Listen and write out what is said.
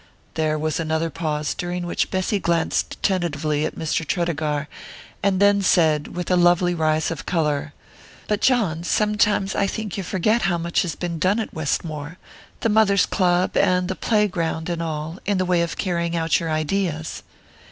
There was another pause, during which Bessy glanced tentatively at Mr. Tredegar, and then said, with a lovely rise of colour: "But, John, I sometimes think you forget how much has been done at Westmore the Mothers' Club, and the play ground, and all in the way of carrying out your ideas."